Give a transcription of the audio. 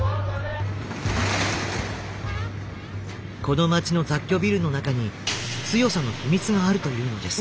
この街の雑居ビルの中に強さの秘密があるというのです。